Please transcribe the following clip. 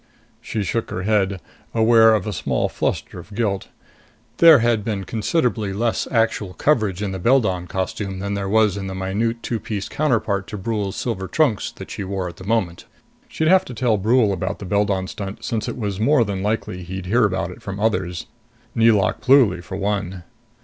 She shook her head, aware of a small fluster of guilt. There had been considerably less actual coverage in the Beldon costume than there was in the minute two piece counterpart to Brule's silver trunks she wore at the moment. She'd have to tell Brule about the Beldon stunt, since it was more than likely he'd hear about it from others Nelauk Pluly, for one.